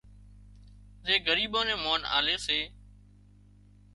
زي ڳريٻان نين مانَ آلي سي